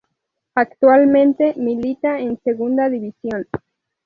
Actualmente milita en Segunda División.